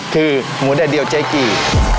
คือหมูแดดเดียวเจ๊กี่